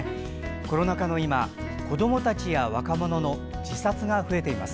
コロナ禍の今、子どもたちや若者の自殺が増えています。